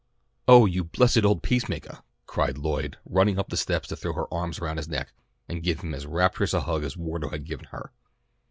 "Oh, you blessed old peace makah!" cried Lloyd running up the steps to throw her arms around his neck and give him as rapturous a hug as Wardo had given her.